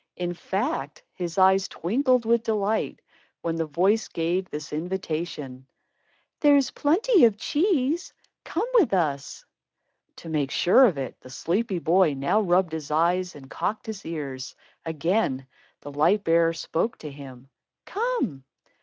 In fact, his eyes twinkled with delight, when the voice gave this invitation: "There's plenty of cheese. Come with us." To make sure of it, the sleepy boy now rubbed his eyes and cocked his ears. Again, the light bearer spoke to him: "Come."